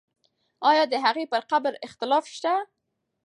آیا د هغې پر قبر اختلاف شته؟